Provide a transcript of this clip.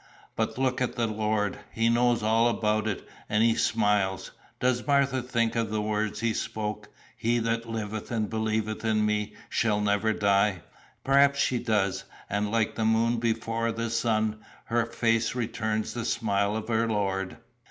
But look at the Lord: he knows all about it, and he smiles. Does Martha think of the words he spoke, 'He that liveth and believeth in me shall never die'? Perhaps she does, and, like the moon before the sun, her face returns the smile of her Lord.